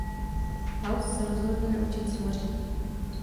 House se rozhodne se naučit vařit.